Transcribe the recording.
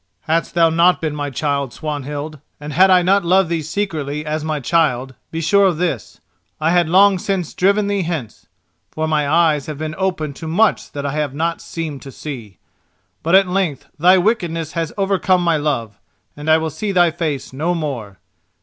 "Hadst thou not been my child, Swanhild, and had I not loved thee secretly as my child, be sure of this, I had long since driven thee hence; for my eyes have been open to much that I have not seemed to see. But at length thy wickedness has overcome my love, and I will see thy face no more.